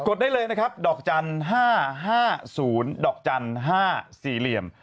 ดได้เลยนะครับดอกจันทร์๕๕๐ดอกจันทร์๕๔เหลี่ยม